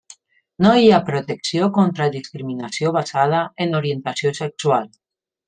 No hi ha protecció contra discriminació basada en orientació sexual.